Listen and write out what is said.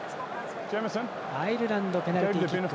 アイルランド、ペナルティキック。